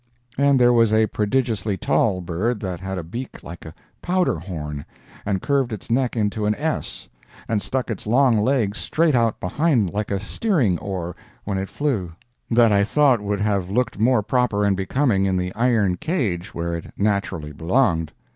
And there was a prodigiously tall bird that had a beak like a powder horn, and curved its neck into an S, and stuck its long legs straight out behind like a steering oar when it flew, that I thought would have looked more proper and becoming in the iron cage where it naturally belonged.